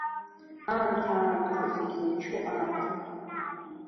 Аамҭа, аамҭа, зегь зымчу аамҭа…